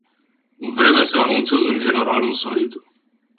Vremea se anunță în general însorită.